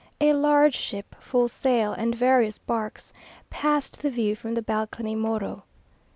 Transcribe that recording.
A large ship, full sail, and various barks, passed the View From the Balcony Morro.